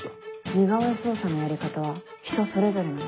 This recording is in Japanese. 似顔絵捜査のやり方は人それぞれなの。